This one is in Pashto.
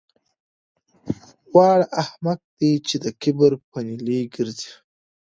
واړه احمقان دي چې د کبر په نیلي ګرځي